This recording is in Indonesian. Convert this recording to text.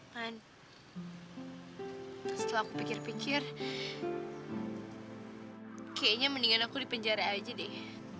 terus setelah aku pikir pikir kayaknya mendingan aku di penjara aja deh